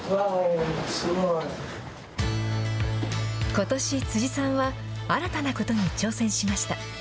ことし、辻さんは新たなことに挑戦しました。